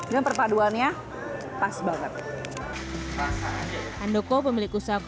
dan perpaduannya pas banget